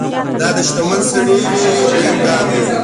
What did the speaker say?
دا د شتمن کېدو پر لور دويم ګام دی.